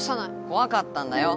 こわかったんだよ！